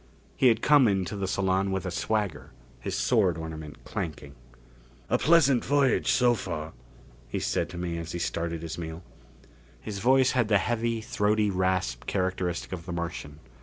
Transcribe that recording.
He had come into the salon with a swagger, his sword ornament clanking. "A pleasant voyage so far," he said to me as he started his meal. His voice had the heavy, throaty rasp characteristic of the Martian.